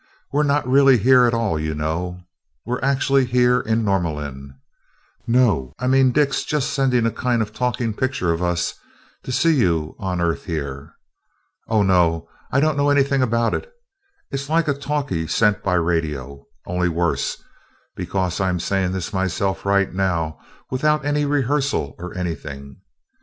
We're not really here at all you know we're actually here in Norlamin no, I mean Dick's just sending a kind of a talking picture of us to see you on earth here.... Oh, no, I don't know anything about it it's like a talkie sent by radio, only worse, because I am saying this myself right now, without any rehearsal or anything ...